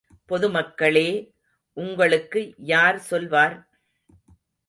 பொதுமக்களே, உங்களுக்கு யார் சொல்வார்?